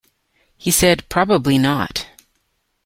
He said: "Probably not.